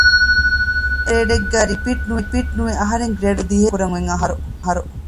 އެއްވެސް ގްރޭޑެއްގައި ރިޕީޓް ނުވެ އަހަރެން ގްރޭޑް ދިހައެއް ފުރިހަމަ ކުރަން އޮތްއަހަރު